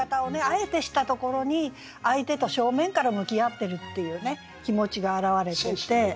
あえてしたところに相手と正面から向き合ってるっていう気持ちが表れていて。